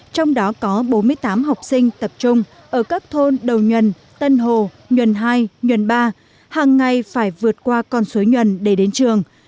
trong đó có bốn mươi tám học sinh tập trung ở các thôn đầu nhuận tân hồ nhuận hai nhuận ba hàng ngày phải vượt qua con suối nhuận để đến trường